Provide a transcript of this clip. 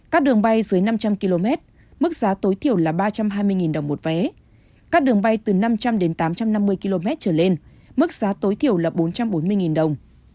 các đường bay dưới năm trăm linh km mức giá tối thiểu là ba trăm hai mươi đồng một vé các đường bay từ năm trăm linh đến tám trăm năm mươi km trở lên mức giá tối thiểu là bốn trăm bốn mươi đồng